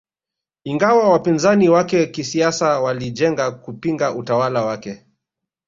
Ingawa wapinzani wake kisiasa walijenga kupinga utawala wake